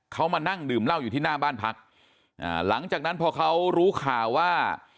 เขามานั่งดื่มเหล้าอยู่ที่หน้าบ้านพักอ่าหลังจากนั้นพอเขารู้ข่าวว่า